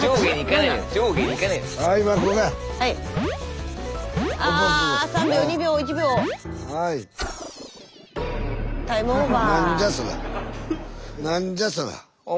なんじゃそら。